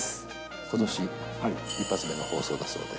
ことし、一発目の放送だそうで。